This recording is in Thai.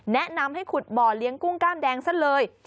แนะนำให้ขุดบ่อเลี้ยงกุ้งกล้ามแดงซะเลย